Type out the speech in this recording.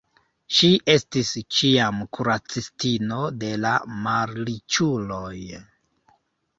Ŝi estis ĉiam kuracistino de la malriĉuloj.